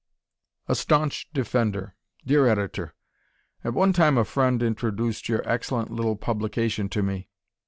A Staunch Defender Dear Editor: At one time a friend introduced your excellent little publication to me.